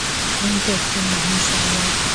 Hank একজন মহান samurai.